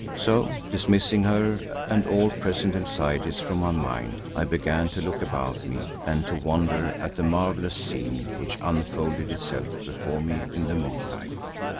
So dismissing her and all present anxieties from my mind, I began to look about me and to wonder at the marvellous scene which unfolded itself before me in the moonlight.